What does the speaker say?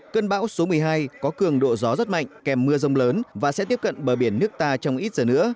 cơn bão số một mươi hai có cường độ gió rất mạnh kèm mưa rông lớn và sẽ tiếp cận bờ biển nước ta trong ít giờ nữa